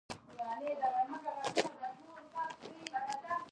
د ګیډې د غوړ لپاره د سهار منډه وکړئ